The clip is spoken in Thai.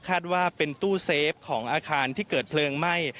ว่าเป็นตู้เซฟของอาคารที่เกิดเพลิงไหม้